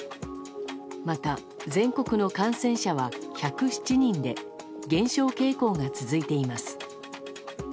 また、全国の感染者は１０７人で減少傾向が続いています。